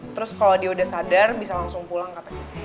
terus kalau dia udah sadar bisa langsung pulang katanya